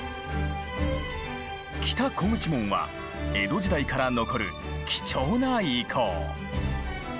北虎口門は江戸時代から残る貴重な遺構。